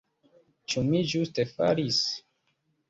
Ĉu mi ĝuste faris?